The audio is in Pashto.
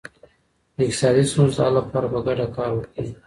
د اقتصادي ستونزو د حل لپاره په ګډه کار وکړئ.